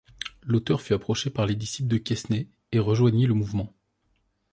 L’auteur fut approché par les disciples de Quesnay, et rejoignit le mouvement.